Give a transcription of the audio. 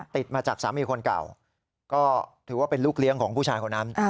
ติดมาจากสามีคนเก่าก็ถือว่าเป็นลูกเลี้ยงของผู้ชายคนนั้น